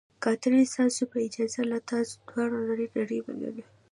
کاترین: ستاسو په اجازه، له تاسو دواړو نړۍ نړۍ مننه.